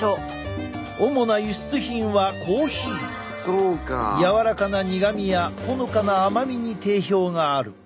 主な輸出品はやわらかな苦みやほのかな甘みに定評がある。